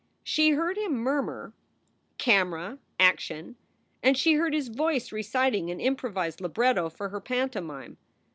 She heard him murmur : "Camera! Action!" and she heard his voice reciting an improvised libretto for her pantomime.